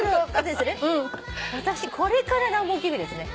私これから「暖房器具」ですね。